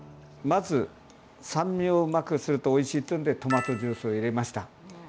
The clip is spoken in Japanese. まず酸味をうまくするとおいしいっていうんでトマトジュースを入れました。